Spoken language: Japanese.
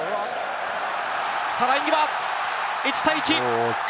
ライン際、１対１。